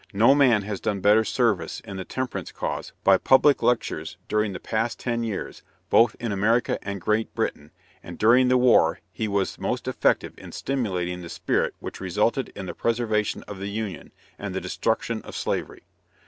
No man has done better service in the temperance cause by public lectures during the past ten years, both in America and Great Britain, and during the war he was most efficient in stimulating the spirit which resulted in the preservation of the Union, and the destruction of Slavery."